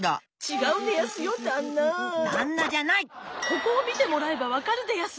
ここをみてもらえばわかるでやす。